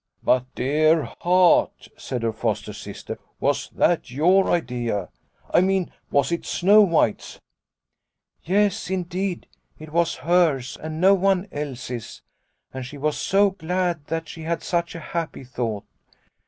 " But, dear heart," said her foster sister, " was that your idea ? I mean was it Snow White's?" " Yes, indeed it was hers and no one else's, and she was so glad that she had had such a happy thought.